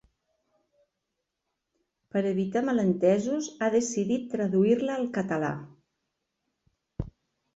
Per evitar malentesos ha decidit traduir-la al català.